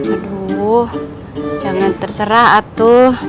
aduh jangan terserah atuh